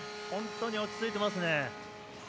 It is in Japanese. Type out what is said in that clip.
本当に落ち着いています。